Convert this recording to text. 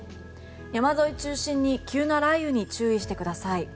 山沿いを中心に急な雷雨に注意してください。